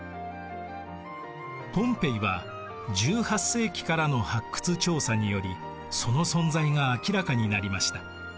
ポンペイは１８世紀からの発掘調査によりその存在が明らかになりました。